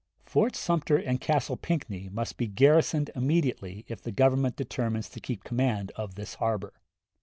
Fort Sumter and Castle Pinckney must be garrisoned immediately if the Government determines to keep command of this harbor.